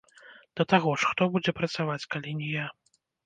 Да таго ж, хто будзе працаваць, калі не я?